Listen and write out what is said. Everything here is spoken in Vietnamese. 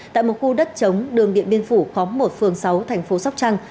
tại một khu đất chống đường điện biên phủ khóm một phường sáu thành phố sóc trăng